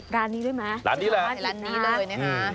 ร้านนี้ด้วยมั้ยร้านนี้แหละร้านนี้เลยนะฮะ